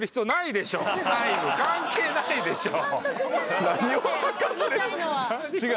タイム関係ないでしょ。